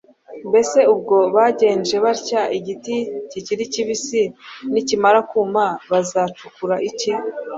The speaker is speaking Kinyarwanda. Mbese ubwo bagenje batya igiti kikiri kibisi, nikimara kuma, bizacura iki?